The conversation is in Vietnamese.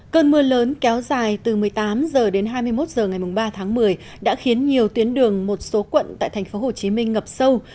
cơn mưa lớn kéo dài từ một mươi tám h đến hai mươi một h ngày ba tháng một mươi đã khiến nhiều tuyến đường một số quận tại thành phố hồ chí minh ngập sâu